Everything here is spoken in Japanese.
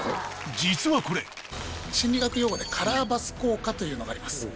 実はこれ心理学用語で「カラーバス効果」というのがあります